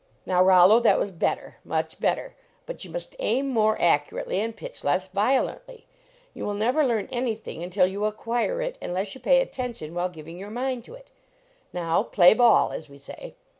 Now, Rollo, that was better; much better. But you must aim more accurately and pitch less violently. You will never learn anything until you acquire it, unless you pay attention while giving your mind to it. Now, play ball, as we say."